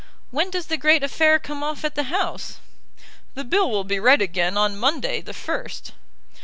When does the great affair come off at the House?" "The bill will be read again on Monday, the first."